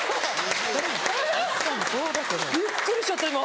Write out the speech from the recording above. えぇ⁉びっくりしちゃった今。